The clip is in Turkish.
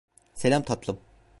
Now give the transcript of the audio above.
Selam tatlım.